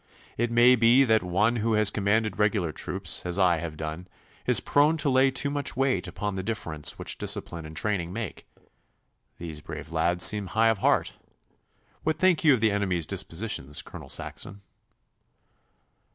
'It may be that one who has commanded regular troops, as I have done, is prone to lay too much weight upon the difference which discipline and training make. These brave lads seem high of heart. What think you of the enemy's dispositions, Colonel Saxon?